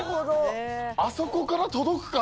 あそこから届くか？